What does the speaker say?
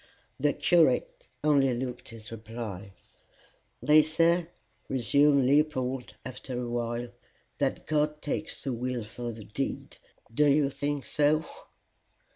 The curate only looked his reply. "They say," resumed Leopold, after a while, "that God takes the will for the deed: do you think so?"